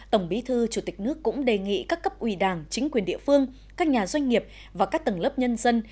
tổng bí thư chủ tịch nước cũng đề nghị các cấp ủy đảng chính quyền địa phương các nhà doanh nghiệp và các tầng lớp nhân dân